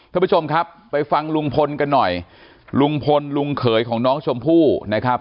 ท่านผู้ชมครับไปฟังลุงพลกันหน่อยลุงพลลุงเขยของน้องชมพู่นะครับ